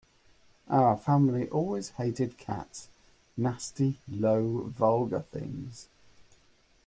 Our family always hated cats: nasty, low, vulgar things!